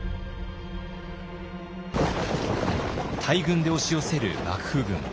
大軍で押し寄せる幕府軍。